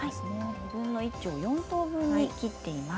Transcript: ２分の１丁を４等分に切っています。